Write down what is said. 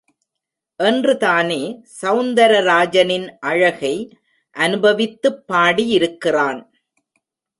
என்றுதானே சௌந்தரராஜனின் அழகை அனுபவித்துப் பாடியிருக்கிறான்.